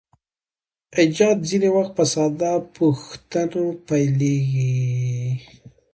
ایجاد ځینې وخت په ساده پوښتنو پیلیږي.